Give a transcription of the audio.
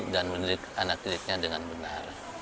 dan menelit anak pendidiknya dengan benar